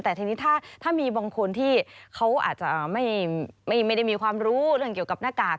แต่ทีนี้ถ้ามีบางคนที่เขาอาจจะไม่ได้มีความรู้เรื่องเกี่ยวกับหน้ากาก